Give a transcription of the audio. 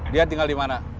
dia tinggal di mana